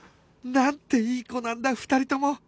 なんていい子なんだ２人とも！